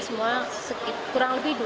semua sekitar lebih dua puluh dua